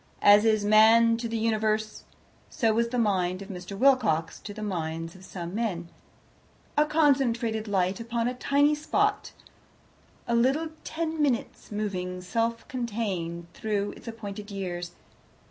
As is Man to the Universe, so was the mind of Mr. Wilcox to the minds of some men a concentrated light upon a tiny spot, a little Ten Minutes moving self contained through its appointed years.